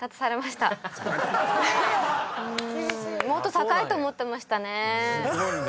もっと高いと思ってましたね。